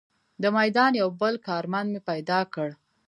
د میدان یو بل کارمند مې پیدا کړ.